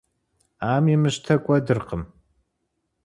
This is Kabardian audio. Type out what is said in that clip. Ӏэм имыщтэ кӀуэдыркъым.